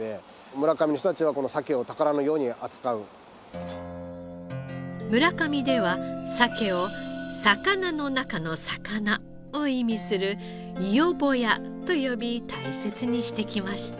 村上の人たちはこの村上ではサケを魚の中の魚を意味するイヨボヤと呼び大切にしてきました。